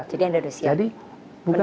jadi anda sudah siap